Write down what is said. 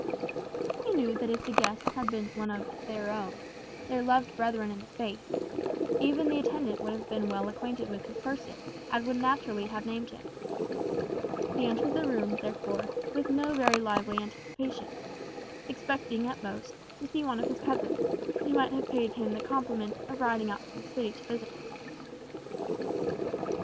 He knew that if the guest had been one of "their own," their loved brethren in the faith, even the attendant would have been well acquainted with his person, and would naturally have named him. He entered the room, therefore, with no very lively anticipations; expecting, at most, to see one of his cousins, who might have paid him the compliment of riding out from the city to visit him.